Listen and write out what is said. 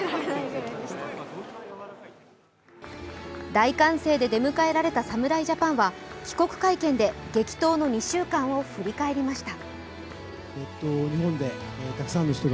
大歓声で出迎えられた侍ジャパンは帰国会見で激闘の２週間を振り返りました。